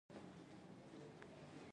چاکلېټ له میوو جوړ شوی وي.